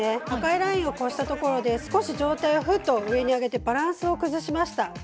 赤いラインを越したところで上体をふっと上に上げてバランスを崩しました。